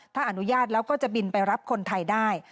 ถ้าอนุญาตแล้วก็จะบินไปรับคนไทยได้